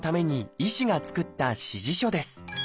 医師が作った指示書です。